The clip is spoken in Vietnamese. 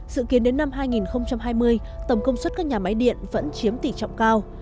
sự kiến đến năm hai nghìn hai mươi tổng công suất các nhà máy điện vẫn chiếm tỷ trọng cao